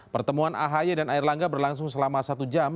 pertemuan ahy dan air langga berlangsung selama satu jam